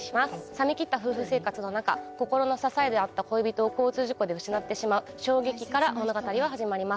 冷め切った夫婦生活の中心の支えであった恋人を交通事故で失ってしまう衝撃から物語は始まります。